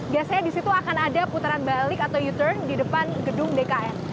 biasanya disitu akan ada putaran balik atau u turn di depan gedung bkn